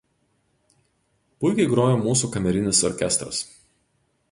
Puikiai grojo mūsų kamerinis orkestras